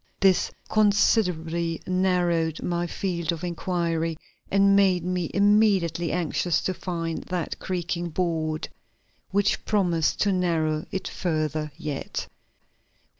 This considerably narrowed my field of inquiry, and made me immediately anxious to find that creaking board which promised to narrow it further yet.